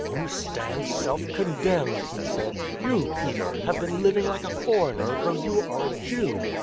" You stand self condemned," he said. " You, Peter, have been living like a foreigner, though you are a Jew.